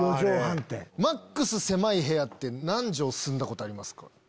マックス狭い部屋って何畳住んだことありますか？